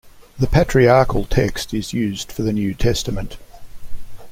The Patriarchal Text is used for the New Testament.